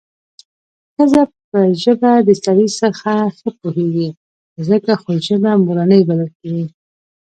ښځه په ژبه د سړي څخه ښه پوهېږي څکه خو ژبه مورنۍ بلل کېږي